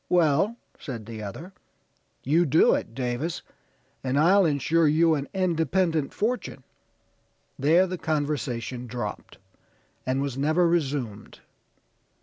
'Well,' said the other; 'you do it, Davis, and I'll insure you an independent fortune.' There the conversation dropped, and was never resumed.